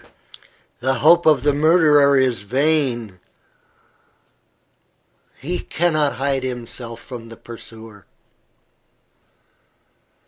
The hope of the murderer is vain. He cannot hide himself from the pursuer."